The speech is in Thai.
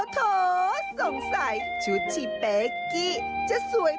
โทษ